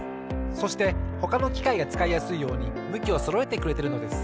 そしてほかのきかいがつかいやすいようにむきをそろえてくれてるのです。